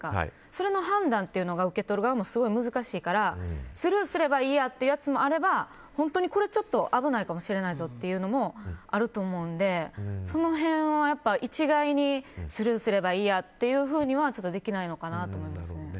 その判断が受け取る側もすごい難しいからスルーすればいいやってやつもあれば本当にこれ、ちょっと危ないかもしれないぞというのもあると思うんでその辺は、一概にスルーすればいいやとはできないのかなと思いますね。